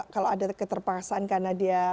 kalau ada keterpaksaan karena dia